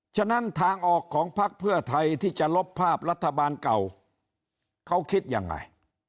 ฉะนั้นทางออกของพักเพื่อไทยที่จะลบภาพรัฐบาลเก่าเขาคิดยังไง